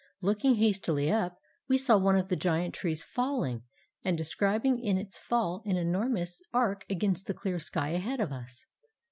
Looking hastily up, we saw one of the giant trees falling, and describing in its fall an enormous arc against the clear sky ahead of us.